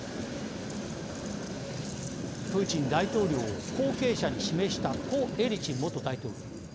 プーチン大統領を後継者に指名した故エリツィン元大統領。